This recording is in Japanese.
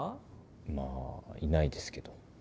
まあいないですけど。